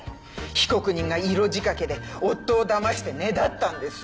被告人が色仕掛けで夫をだましてねだったんですよ。